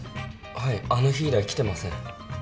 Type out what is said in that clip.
はいあの日以来来てません